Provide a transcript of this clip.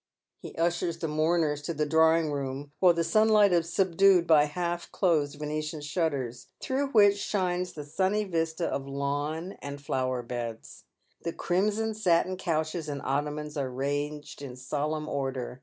He ushers the mourners to the drawing room, where the sunlight is subdued by half closed Venetian shutters, through which shines the sunny vista of lawn and flower beds. The crimson satin couches and ottomans are ranged in solemn order.